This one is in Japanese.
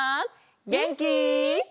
げんき？